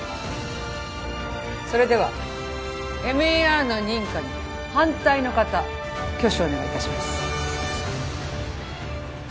それではＭＥＲの認可に反対の方挙手をお願いいたします